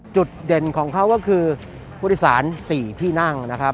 จุดเด่นของเขาก็คือผู้โดยสาร๔ที่นั่งนะครับ